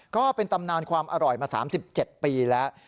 ก็เป็นตำนานความอร่อยมาสามสิบเจ็ดปีแล้ว